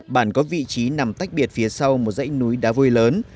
bản có vị trí nằm tách biệt phía sau một dãy núi đá vôi lớn